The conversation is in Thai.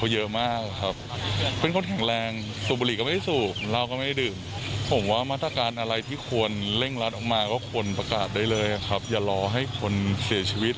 อย่ารอให้คนประกาศได้เลยครับอย่ารอให้คนเสียชีวิต